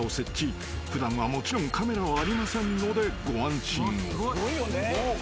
［普段はもちろんカメラはありませんのでご安心を］